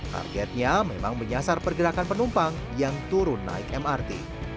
targetnya memang menyasar pergerakan penumpang yang turun naik mrt